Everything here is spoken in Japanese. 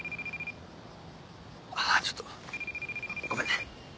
あちょっとごめんね。